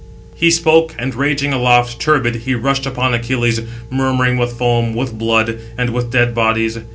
He spoke, and raging aloft, turbid, he rushed upon Achilles, murmuring with foam, with blood, and with dead bodies.